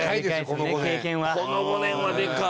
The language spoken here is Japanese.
この５年はでかい。